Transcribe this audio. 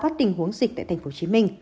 các tình huống dịch tại tp hcm